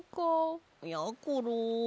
やころ。